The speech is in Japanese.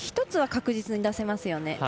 １つは確実に出せますね。